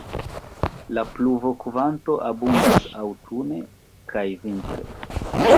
La pluvokvanto abundas aŭtune kaj vintre.